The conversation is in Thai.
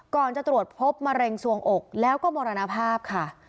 ก่อนจะตรวจพบมะเร็งสวงอกแล้วก็มรณภาพค่ะ